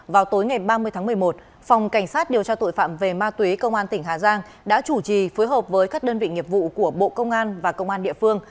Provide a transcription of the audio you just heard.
vào tối ngày ba mươi tháng một mươi một phòng cảnh sát điều tra tội phạm về ma túy công an tỉnh hà giang đã chủ trì phối hợp với các đơn vị nghiệp vụ của bộ công an và công an địa phương